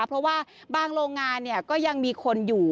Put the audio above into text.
เพราะว่าบางโรงงานก็ยังมีคนอยู่